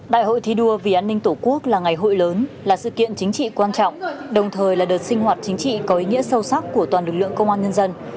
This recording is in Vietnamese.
đại hội thi đua vì an ninh tổ quốc là ngày hội lớn là sự kiện chính trị quan trọng đồng thời là đợt sinh hoạt chính trị có ý nghĩa sâu sắc của toàn lực lượng công an nhân dân